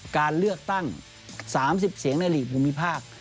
การเลือกตั้ง๓๐เสียงในหลีกภูมิภาค